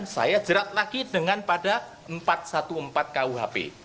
saya jerat lagi dengan pada empat ratus empat belas kuhp